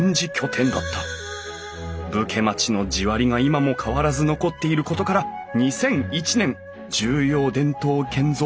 武家町の地割が今も変わらず残っていることから２００１年重要伝統建造物